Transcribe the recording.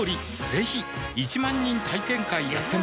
ぜひ１万人体験会やってます